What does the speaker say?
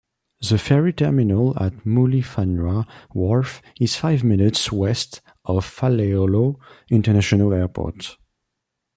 The ferry terminal at Mulifanua wharf is five minutes west of Faleolo International Airport.